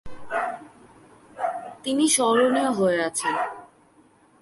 তিনি স্মরণীয় হয়ে আছেন।